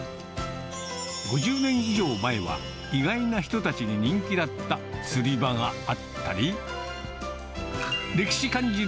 ５０年以上前は、意外な人たちに人気だった釣り場があったり。